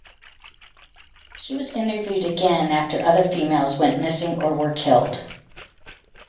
She was interviewed again after other females went missing or were killed.